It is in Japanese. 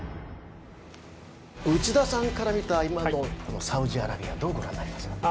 内田さんから見た今のサウジアラビアはどうご覧になりますか？